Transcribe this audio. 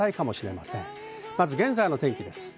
まず現在の天気です。